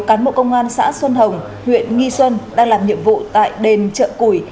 cán bộ công an xã xuân hồng huyện nghi xuân đang làm nhiệm vụ tại đền chợ củi